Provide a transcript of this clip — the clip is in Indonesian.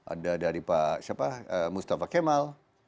ada dari pak mustafa kemal